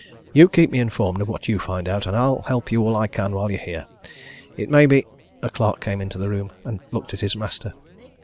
You keep me informed of what you find out, and I'll help you all I can while you're here. It may be " A clerk came into the room and looked at his master.